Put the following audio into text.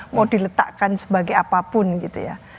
mau diletakkan sebagai apapun gitu ya